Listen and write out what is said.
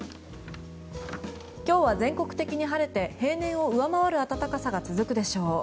今日は全国的に晴れて例年を上回る暖かさが続くでしょう。